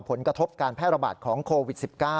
ผลกระทบการแพร่ระบาดของโควิด๑๙